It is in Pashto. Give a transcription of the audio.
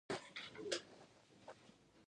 دوى په لاره کښې ځايونه راښوول.